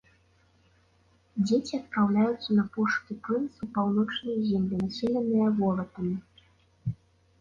Дзеці адпраўляюцца на пошукі прынца ў паўночныя землі, населеныя волатамі.